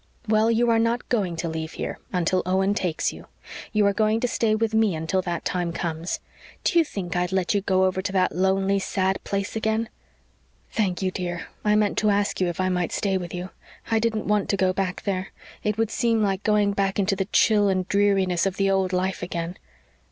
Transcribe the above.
"Well, you are not going to leave here until Owen takes you. You are going to stay with me until that times comes. Do you think I'd let you go over to that lonely, sad place again?" "Thank you, dear. I meant to ask you if I might stay with you. I didn't want to go back there it would seem like going back into the chill and dreariness of the old life again.